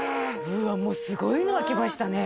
うわもうすごいのが来ましたね